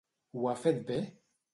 Ho ha fet bé?